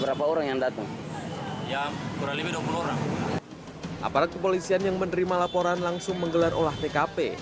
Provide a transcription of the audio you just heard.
aparat kepolisian yang menerima laporan langsung menggelar olah pkp